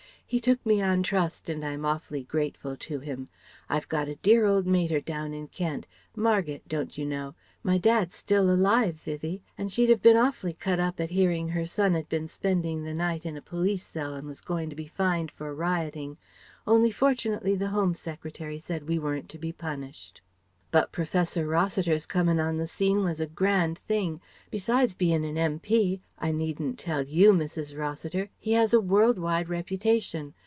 He took me on trust and I'm awfully grateful to him. I've got a dear old mater down in Kent Margate, don't you know my dad's still alive, Vivie! and she'd have been awfully cut up at hearing her son had been spending the night in a police cell and was goin' to be fined for rioting, only fortunately the Home Secretary said we weren't to be punished.... But Professor Rossiter's coming on the scene was a grand thing. Besides being an M.P., I needn't tell you, Mrs. Rossiter, he has a world wide reputation.